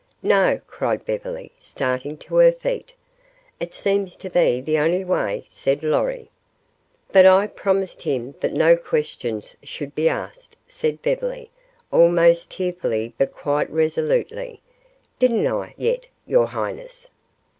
"No!" cried Beverly, starting to her feet. "It seems to be the only way," said Lorry. "But I promised him that no questions should be asked," said Beverly, almost tearfully but quite resolutely. "Didn't I, yet your highness?"